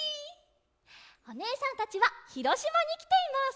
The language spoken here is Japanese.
おねえさんたちはひろしまにきています！